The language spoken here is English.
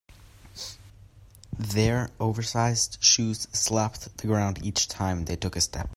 Their oversized shoes slapped the ground each time they took a step.